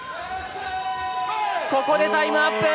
ここでタイムアップ！